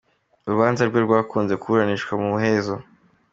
Urubanza rwe rwakunze kuburanishwa mu muhezo.